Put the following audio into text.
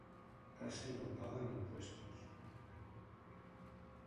Casi no pagan impuestos.